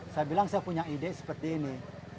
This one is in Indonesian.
saya bilang saya punya ide seperti ini